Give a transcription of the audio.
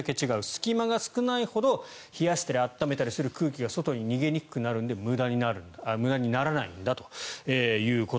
隙間が少ないほど冷やしたり暖めたりする空気が外に逃げにくくなるので無駄にならないんだと。